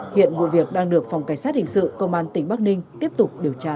hiện vụ việc đang được phòng cảnh sát hình sự công an tỉnh bắc ninh tiếp tục điều tra làm rõ